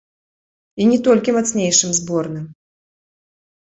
І не толькі мацнейшым зборным!